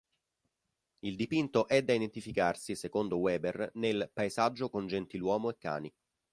Il dipinto è da identificarsi, secondo Weber, nel "Paesaggio con gentiluomo e cani".